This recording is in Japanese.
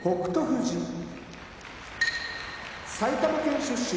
富士埼玉県出身